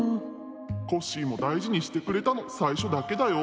「コッシーもだいじにしてくれたのさいしょだけだよ」。